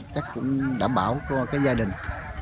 chắc cũng đảm bảo cho gia đình